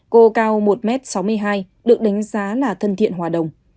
cô cao một m sáu mươi hai được đánh giá là thân thiện hòa đồng